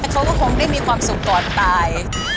เขาก็คงได้มีความสุขก่อนตาย